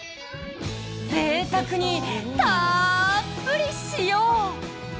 ぜいたくにたっぷり使用！